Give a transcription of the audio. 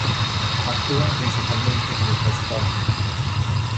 Actúan principalmente grupos folk.